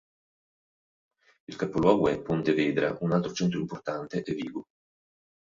Il capoluogo è Pontevedra, un altro centro importante è Vigo.